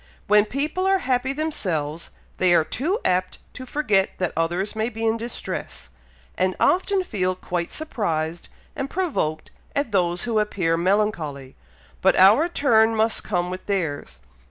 When people are happy themselves, they are too apt to forget that others may be in distress, and often feel quite surprised and provoked at those who appear melancholy; but our turn must come like theirs.